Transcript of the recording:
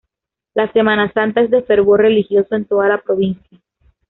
La Semana Santa es de fervor religioso en toda la provincia.